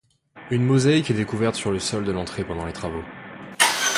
Une mosaïque est découverte sur le sol de l’entrée pendant les travaux.